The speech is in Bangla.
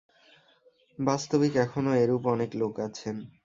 বাস্তবিক এখনও এরূপ অনেক লোক আছেন।